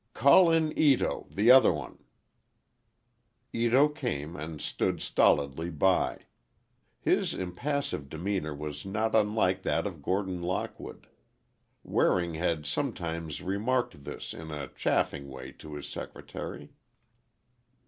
"Call in Ito, the other one." Ito came, and stood stolidly by. His impassive demeanor was not unlike that of Gordon Lockwood. Waring had sometimes remarked this in a chaffing way to his secretary.